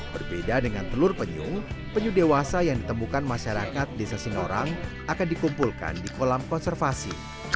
berbeda dengan telur penyu penyu dewasa yang ditemukan masyarakat desa sinorang akan dikumpulkan di kolam konservasi